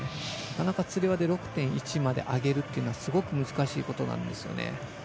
つり輪で６．１まで上げるというのは本当に難しいことなんですよね。